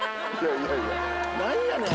何やねん？